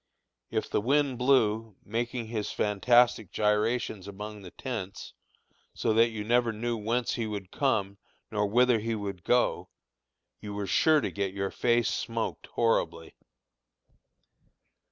If the wind blew, making his fantastic gyrations among the tents, so that you never knew whence he would come nor whither he would go, you were sure to get your face smoked horribly.